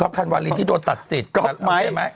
บรรยากินมัย